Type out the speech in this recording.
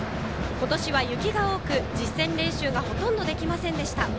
今年は雪が多く、実戦練習がほとんどできませんでした。